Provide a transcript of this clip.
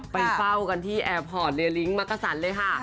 ไปเฝ้ากันที่แอร์พอร์ตเลลิ้งมักกะสันเลยค่ะ